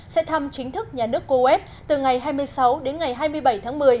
sẽ thăm chính thức nhà nước coes từ ngày hai mươi sáu đến ngày hai mươi bảy tháng một mươi